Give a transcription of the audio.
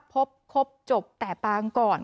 พบครบจบแต่ปางก่อน